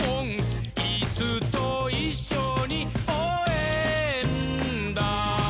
「イスといっしょにおうえんだ！」